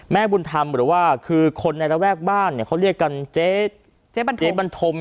แม่บุญธรรมหรือว่าคือคนในระแวกบ้านเขาเรียกกันเจ๊บันธม